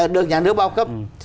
được nhà nước bao cấp